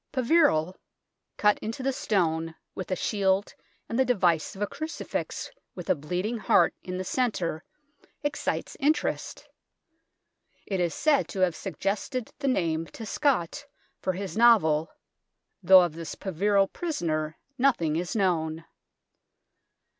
" Peverel," cut into the stone, with a shield and the device of a crucifix with a bleeding heart in the centre, excites interest. It is said to have suggested the name to Scott for his novel, though of this Peverel prisoner nothing is known.